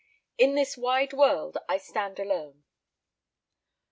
IN THIS WIDE WORLD I STAND ALONE.